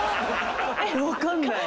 わかんない。